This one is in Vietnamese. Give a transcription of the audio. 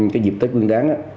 cái dịp tết nguyên đáng